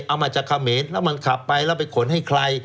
เอามาจากเขมรแล้วมันขับไปแล้วไปขนให้ใคร